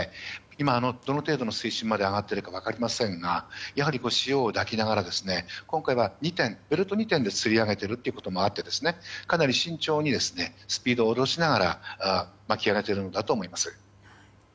今、どの程度の水深まで上がっているか分かりませんがやはり潮を抱きながら、今回はベルト２点でつり上げているということもあってかなり慎重にスピードを落としながら巻き上げていると思います。